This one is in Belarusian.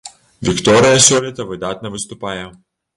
Вікторыя сёлета выдатна выступае.